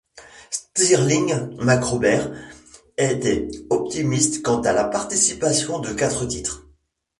Stirling macrobert était optimiste quant à la participation de quatre titres.